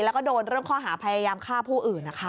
แล้วก็โดนเรื่องข้อหาพยายามฆ่าผู้อื่นนะคะ